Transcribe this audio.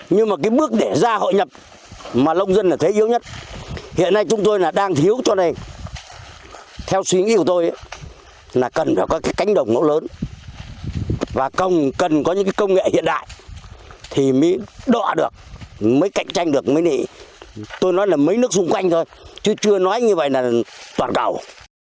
nếu có công nghệ hiện đại thì mới đọa được mới cạnh tranh được mới nị tôi nói là mấy nước xung quanh thôi chứ chưa nói như vậy là toàn cầu